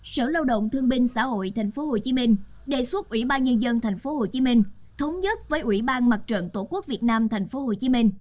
sở lao động thương binh xã hội tp hcm đề xuất ủy ban nhân dân tp hcm thống nhất với ủy ban mặt trận tổ quốc việt nam tp hcm